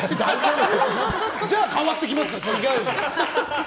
じゃあ、変わってきます。